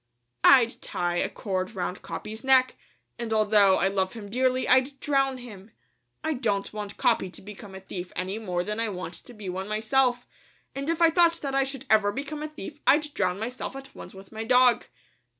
"I'd tie a cord round Capi's neck, and although I love him dearly, I'd drown him. I don't want Capi to become a thief any more than I want to be one myself, and if I thought that I ever should become a thief, I'd drown myself at once with my dog."